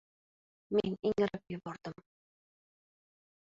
Men ingrab yubordim!